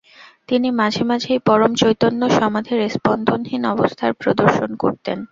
তিনি মাঝে মাঝেই পরম চৈতন্য সমাধির স্পন্দনহীন অবস্থার প্রদর্শন করতেন।